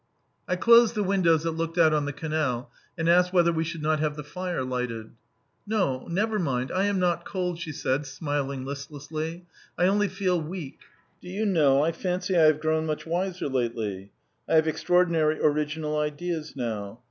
I closed the windows that looked out on the canal and asked whether we should not have the fire lighted. "No, never mind. I am not cold," she said, smiling listlessly. "I only feel weak. Do you know, I fancy I have grown much wiser lately. I have extraordinary, original ideas now.